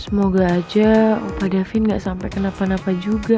semoga aja opa dabin gak sampai kenapa napa juga